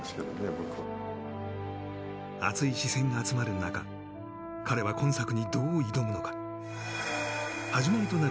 僕は熱い視線が集まる中彼は今作にどう挑むのか？